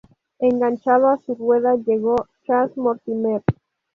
Enganchado a su rueda llegó Chas Mortimer.